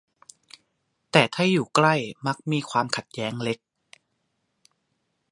แต่ถ้าอยู่ใกล้มักมีความขัดแย้งเล็ก